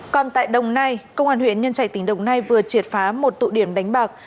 còn tại đồng nai công an huyện nhân trạch tỉnh đồng nai vừa triệt phá một tụ điểm đánh bạc